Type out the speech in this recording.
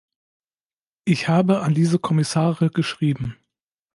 Ich habe an diese Kommissare geschrieben.